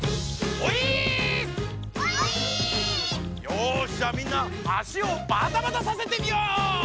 よしじゃあみんな足をバタバタさせてみよう！